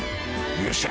よっしゃ。